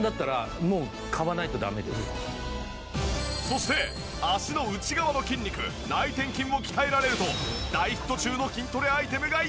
そして脚の内側の筋肉内転筋を鍛えられると大ヒット中の筋トレアイテムがやばい！